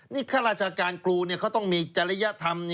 นี่ข้าราชการครูเขาต้องมีจริยธรรม